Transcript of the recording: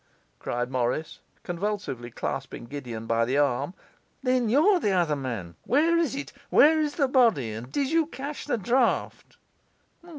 cried Morris, convulsively clasping Gideon by the arm. 'Then you're the other man! Where is it? Where is the body? And did you cash the draft?